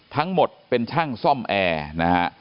ทั้งหมดเป็นช่างซ่อมแอร์นะฮะ